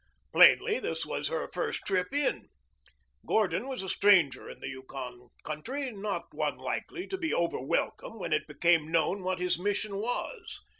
Plainly this was her first trip in. Gordon was a stranger in the Yukon country, one not likely to be over welcome when it became known what his mission was.